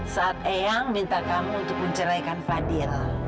saat eang minta kamu untuk menceraikan fadhil